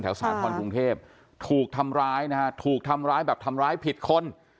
สาธรณ์กรุงเทพถูกทำร้ายนะฮะถูกทำร้ายแบบทำร้ายผิดคน